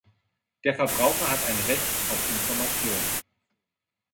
Der Verbraucher hat ein Recht auf Information.